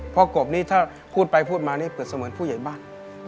กบนี้ถ้าพูดไปพูดมานี่เปรียบเสมือนผู้ใหญ่บ้าน